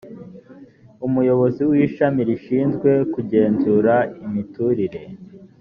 umuyobozi w ishami rishinzwe kugenzura imiturire